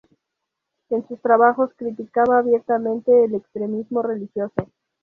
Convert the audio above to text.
En sus trabajos criticaba abiertamente el extremismo religioso.